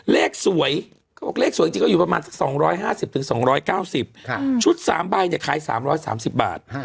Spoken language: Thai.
เลขสวยเลขสวยจริงก็อยู่ประมาณ๒๕๐๒๙๐ชุด๓ใบขาย๓๓๐บาท